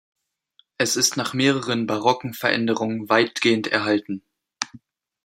Es ist nach mehreren barocken Veränderungen weitgehend erhalten.